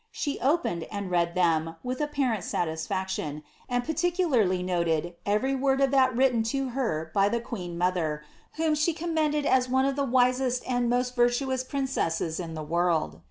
She opened and read them with apparent satisfaction, and par ticularly noted every word of that written to her by the queen mother, whom she commende<l as one nf the wisest and most virtuous prin cesses in the world.